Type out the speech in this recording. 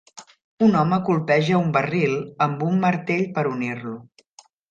Un home colpeja un barril amb un martell per unir-lo.